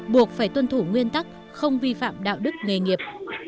buộc phải tuân thủ nguyên tắc không vi phạm đạo đức nghề nghiệp